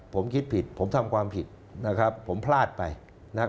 ผมคิดผิดผมทำความผิดนะครับผมพลาดไปนะครับ